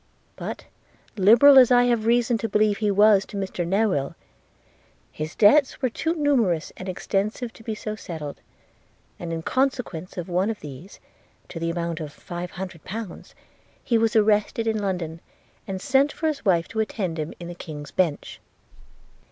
'But, liberal as I have reason to believe he was to Mr Newill, his debts were too numerous and extensive to be so settled; and, in consequence of one of these, to the amount of five hundred pounds, he was arrested in London, and sent for his wife to attend him in the King's Bench.